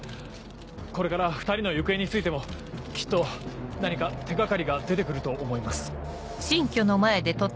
これから２人の行方についてもきっと何か手掛かりが出て来ると思います。